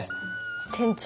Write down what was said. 店長。